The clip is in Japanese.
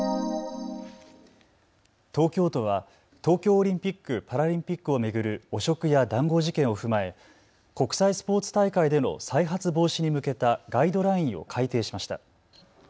東京都は東京オリンピック・パラリンピックを巡る汚職や談合事件を踏まえ国際スポーツ大会での再発防止に向けたガイドラインを改定しました。